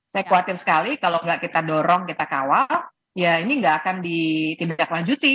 saya khawatir sekali kalau nggak kita dorong kita kawal ya ini nggak akan ditindaklanjuti